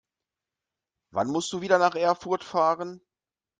Wann musst du wieder nach Erfurt fahren?